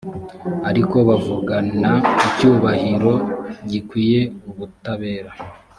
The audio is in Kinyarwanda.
ariko bavugana icyubahiro gikwiye ubutabera